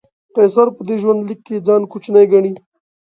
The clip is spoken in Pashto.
قیصر په دې ژوندلیک کې ځان کوچنی ګڼي.